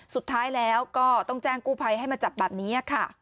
สุดท้ายแล้วก็ต้องแจ้งกู้ภัยให้มาจับแบบนี้ค่ะ